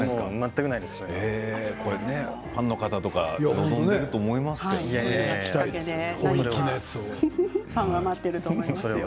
ファンの方とか望んでいると思いますよ。